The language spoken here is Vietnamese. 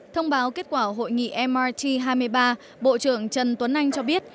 thông báo kết quả hội nghị myt hai mươi ba bộ trưởng trần tuấn anh cho biết